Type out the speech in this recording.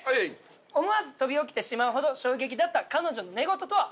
思わず飛び起きてしまうほど衝撃だった彼女の寝言とは？